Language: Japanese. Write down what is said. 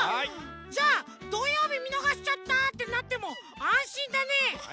じゃあ「どようびみのがしちゃった」ってなってもあんしんだね。